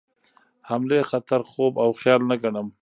حملې خطر خوب او خیال نه ګڼم.